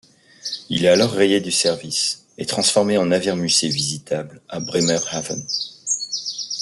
Il est alors rayé du service et transformé en navire-musée visitable à Bremerhaven.